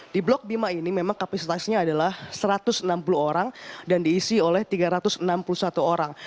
di blok bima ini memang kapasitasnya adalah satu ratus enam puluh orang dan diisi oleh tiga ratus enam puluh satu orang